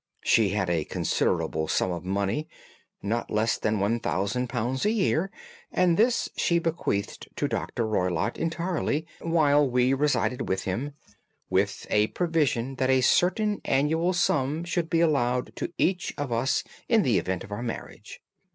She had a considerable sum of money—not less than £ 1000 a year—and this she bequeathed to Dr. Roylott entirely while we resided with him, with a provision that a certain annual sum should be allowed to each of us in the event of our marriage.